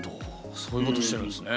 そういうことしてるんですね。